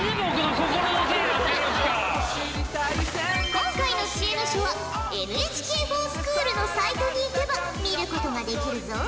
今回の知恵の書はＮＨＫｆｏｒＳｃｈｏｏｌのサイトにいけば見ることができるぞ。